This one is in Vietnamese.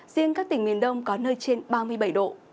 riêng các tỉnh miền đông có nơi trên ba mươi bảy độ